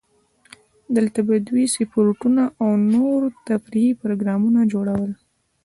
دلته به دوی سپورتونه او نور تفریحي پروګرامونه جوړول.